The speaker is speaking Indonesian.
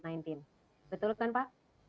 betul kan pak